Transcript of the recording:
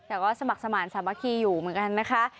แต่ก็สมัครสมาธิสามัคคีอยู่เหมือนกันนะคะ